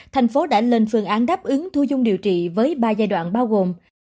thành phố đã lên phương án đáp ứng thu dung điều trị với ba giai đoạn bao gồm